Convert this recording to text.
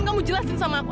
kamu jelasin sama aku